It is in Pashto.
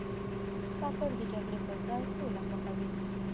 کاکړ د جګړې پر ځای سوله خوښوي.